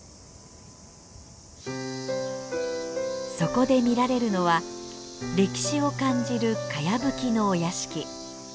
そこで見られるのは歴史を感じるかやぶきのお屋敷。